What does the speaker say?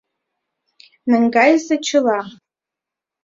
— Наҥгайыза чыла!